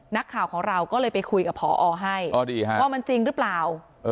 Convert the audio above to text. นักข่าวของเราก็เลยไปคุยกับพอให้ว่ามันจริงหรือเปล่า